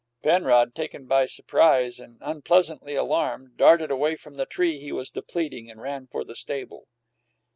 Penrod, taken by surprise and unpleasantly alarmed, darted away from the tree he was depleting and ran for the stable.